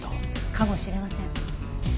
かもしれません。